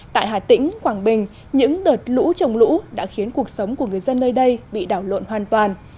tại hà tĩnh quảng bình những đợt lũ trồng lũ đã khiến cuộc sống của người dân nơi đây bị đảo lộn hoàn toàn